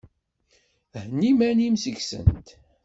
Henni iman-im seg-sent!